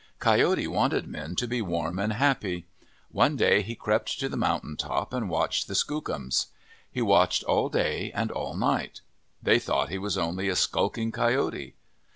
Coyote wanted men to be warm and happy. One day he crept to the mountain top and watched the Skookums. He watched all day and all night. They thought he was only a skulking coyote.